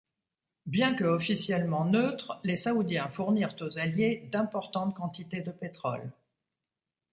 Bien que officiellement neutres, les Saoudiens fournirent aux Alliés d'importantes quantités de pétrole.